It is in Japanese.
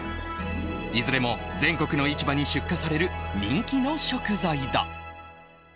いずれも全国の市場に出荷される人気の食材だ。